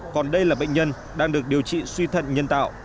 còn đây là bệnh nhân đang được điều trị suy thận nhân tạo